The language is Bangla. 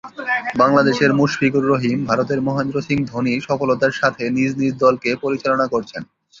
বাংলাদেশের মুশফিকুর রহিম, ভারতের মহেন্দ্র সিং ধোনি সফলতার সাথে নিজ নিজ দলকে পরিচালনা করছেন।